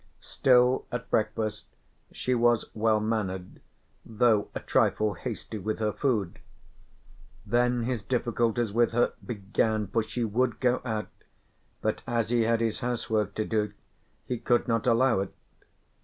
Still at breakfast she was well mannered though a trifle hasty with her food. Then his difficulties with her began for she would go out, but as he had his housework to do, he could not allow it.